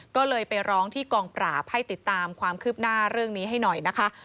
ก็เลยไปร้องที่กองปราบให้ติดตามความคืบหน้าเรื่องนี้ให้หน่อยนะคะ